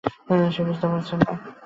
সে বুঝতে পারছে না!